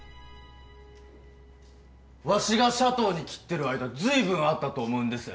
わしがシャトーに切ってる間ずいぶんあったと思うんです